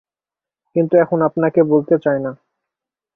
কিন্তু এখন আপনাকে বলতে চাই না।